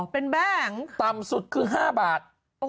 เป็นแบงค์ต่ำสุดคือ๕บาท